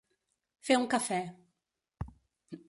Fer un cafè.